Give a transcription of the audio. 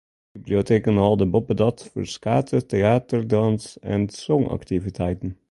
De biblioteken hâlde boppedat ferskate teäter-, dûns- en sjongaktiviteiten.